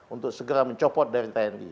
untuk segera mencopot dari tni